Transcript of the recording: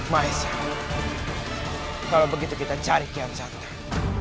maesha kalau begitu kita cari kian santang